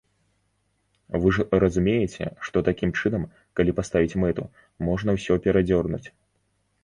Вы ж разумееце, што такім чынам, калі паставіць мэту, можна ўсё перадзёрнуць.